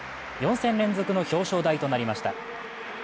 ４戦連続の表彰台となりました。